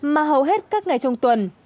mà hầu hết các ngày trong tuần